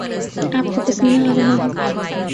آپ کو پسینہ آرہا ہے